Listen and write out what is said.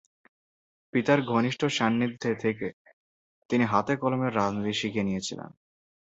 পিতার ঘনিষ্ঠ সান্নিধ্যে থেকে তিনি হাতে-কলমে রাজনীতি শিখে নিয়েছিলেন।